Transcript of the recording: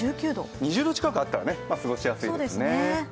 ２０度近くあったら過ごしやすいですね。